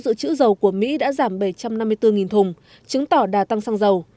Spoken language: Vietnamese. từ chữ dầu của mỹ đã giảm bảy trăm năm mươi bốn thùng chứng tỏ đà tăng xăng dầu